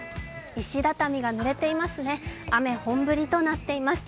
石畳がぬれています